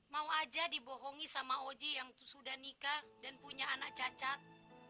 mau aja dibohongi sama oji yang sudah nikah dan punya anak cacat